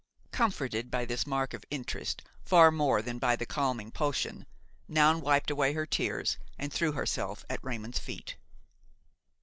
Comforted by this mark of interest far more than by the calming potion, Noun wiped away her tears and threw herself at Raymon's feet.